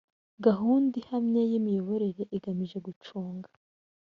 gahunda ihamye y imiyoborere igamije gucunga